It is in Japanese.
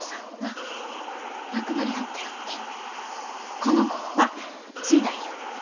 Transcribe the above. この工場継いだんよ。